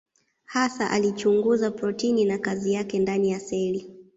Hasa alichunguza protini na kazi yake ndani ya seli.